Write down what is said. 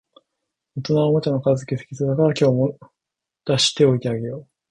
大人はおもちゃの片づけ好きそうだから、今日も出しておいてあげよう